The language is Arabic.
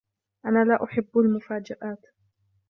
أنا لا أحب المفاجآت.